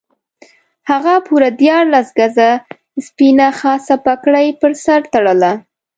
هغه پوره دیارلس ګزه سپینه خاصه پګړۍ پر سر تړله.